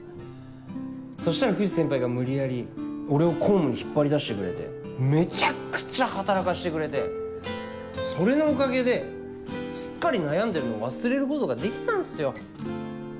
そしたら藤先輩が無理やり俺を公務に引っ張り出してくれてめちゃくちゃ働かしてくれてそれのおかげですっかり悩んでるのを忘れることができたんっすよ。